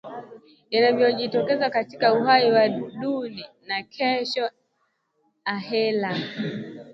yanavyojitokeza katika uhai wa dunia na kesho ahera